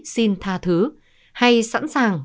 xin tha thứ hay sẵn sàng